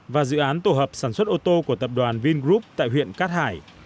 và dự án tổ hợp sản xuất ô tô của tập đoàn vingroup tại huyện cát hải